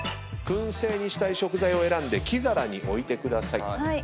燻製にしたい食材を選んで木皿に置いてください。